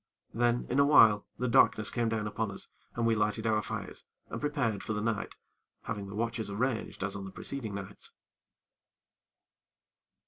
Then, in a while, the darkness came down upon us, and we lighted our fires and prepared for the night, having the watches arranged as on the preceding nights.